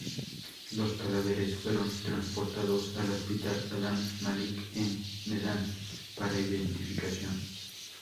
Los cadáveres fueron transportados al Hospital Adam Malik en Medan para identificación.